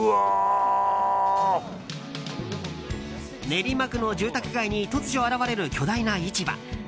練馬区の住宅街に突如現れる巨大な市場。